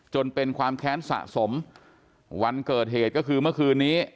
จนเป็นความแค้นสะสมวันเกิดเหตุก็คือเมื่อคืนนี้